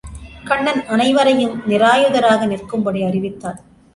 கண்ணன் அனைவரையும் நிராயுதராக நிற்கும்படி அறிவித்தான்.